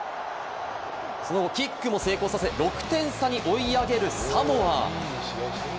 その後、キックも成功させ、６点差に追い上げるサモア。